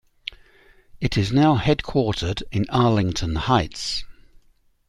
It is now headquartered in Arlington Heights.